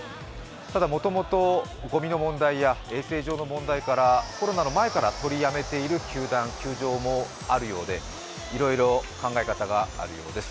ただ、もともとごみの問題や衛生上の問題からコロナの前から取りやめている球団・球場もあるようでいろいろ考え方があるようです。